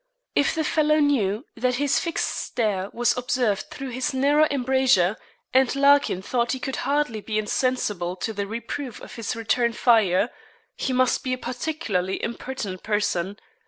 If the fellow knew that his fixed stare was observed through his narrow embrasure and Larkin thought he could hardly be insensible to the reproof of his return fire he must be a particularly impertinent person.